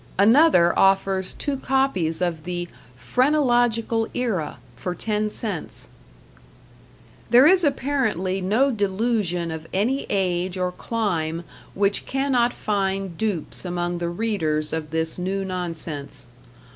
Another offers two copies of the "Phrenological Era" for ten cents. There is apparently no delusion of any age or clime which cannot find dupes among the readers of this New Nonsense.